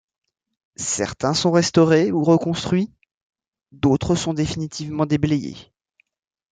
Certains sont restaurés ou reconstruits, d'autres sont définitivement déblayés.